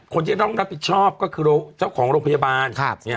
คนที่ต้องรับผิดชอบก็คือเจ้าของโรงพยาบาล